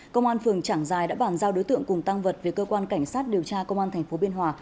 công an phường trảng giài đã bàn giao đối tượng cùng tăng vật về cơ quan cảnh sát điều tra công an tp biên hòa